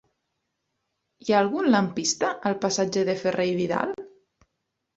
Hi ha algun lampista al passatge de Ferrer i Vidal?